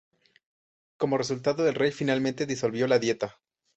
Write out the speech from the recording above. Como resultado, el rey finalmente disolvió la Dieta.